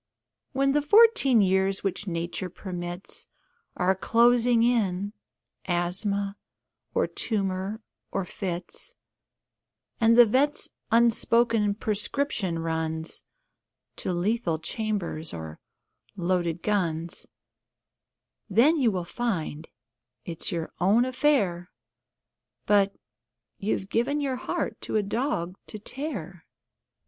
When the fourteen years which Nature permits Are closing in asthma, or tumour, or fits, And the vet's unspoken prescription runs To lethal chambers or loaded guns, Then you will find it's your own affair But...you've given your heart for a dog to tear.